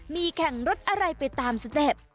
มีแข่งรถอะไรไปตามสเต็ป